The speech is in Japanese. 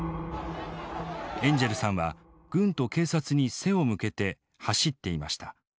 エンジェルさんは軍と警察に背を向けて走っていました。